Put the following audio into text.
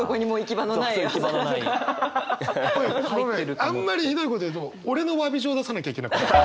この時はあんまりひどいこと言うと俺の詫び状を出さなきゃいけなくなる。